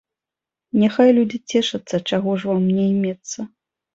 Няхай людзі цешацца, чаго ж вам няймецца!